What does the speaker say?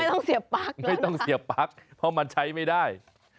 ไม่ต้องเสียบปั๊กแล้วนะคะไม่ต้องเสียบปั๊กเพราะมันใช้ไม่ได้